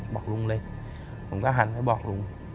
บอกลุงเลยผมก็หันไปบอกลุง